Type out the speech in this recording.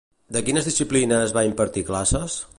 De quines disciplines va impartir classes?